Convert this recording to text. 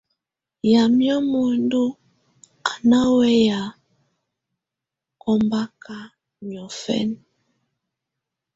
Wayɛ̀á muǝndù á nà wɛ̀yà kɔmbaka niɔ̀fɛna.